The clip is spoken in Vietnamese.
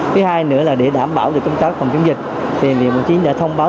thứ hai nữa là để đảm bảo được công tác phòng chống dịch thì bệnh viện một trăm chín mươi chín đã thông báo